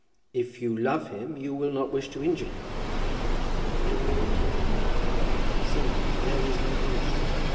"If you love him you will not wish to injure him." "I will not injure him. Sir, there is my promise."